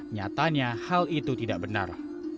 nyatanya hal itu tidak benar